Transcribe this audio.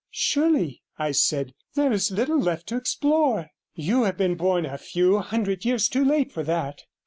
'Surely,' I said, 'there is little left to explore. You have been born a few hundred years too late for that.'